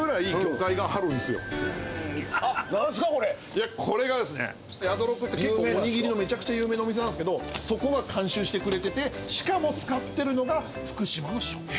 いやこれがですね「宿六」って結構おにぎりのめちゃくちゃ有名な店なんすけどそこが監修してくれててしかも使ってるのが福島の食材。